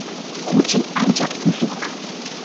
kuchi ancha ususqa